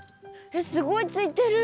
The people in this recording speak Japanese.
えっすごいついてる。